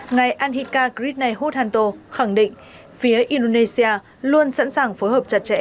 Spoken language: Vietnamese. ngày anhika kriit neuranto khẳng định phía indonesia luôn sẵn sàng phối hợp chặt chẽ